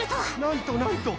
なんとなんと。